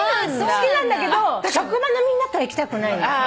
好きなんだけど職場のみんなとは行きたくないの。